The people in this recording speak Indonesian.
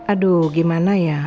aduh gimana ya